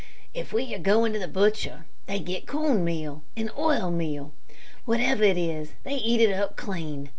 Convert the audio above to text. If they are going to the butcher, they get corn meal and oil meal. Whatever it is, they eat it up clean.